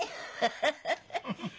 ハハハハ！